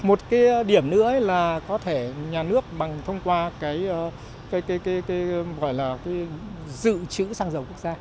một cái điểm nữa là có thể nhà nước bằng thông qua cái gọi là cái dự trữ xăng dầu quốc gia